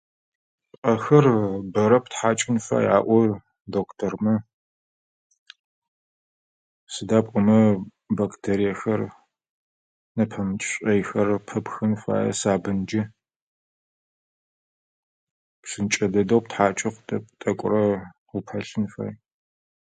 Пӏэхэр бэрэ птхьакӏын фай аӏо доктормэ. Сыда пӏомэ бактериехэр, нэпэмыкӏ шӏоихэр пыпхын фае сабынджи. Псынкӏэ дэдэу птхьакӏы хъутэп, тӏэкӏорэ упэлъын фай.